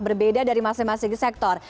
berbeda dari masing masing sektor